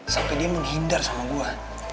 sampai dia menghindar sama buah